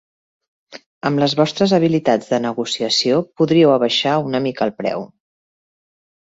Amb les vostres habilitats de negociació podríeu abaixar una mica el preu.